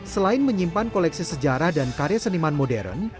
selain menyimpan koleksi sejarah dan karya seniman modern